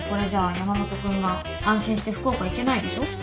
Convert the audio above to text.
山本君が安心して福岡行けないでしょ。